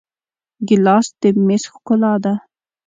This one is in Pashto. ګیلاس د میز ښکلا ده.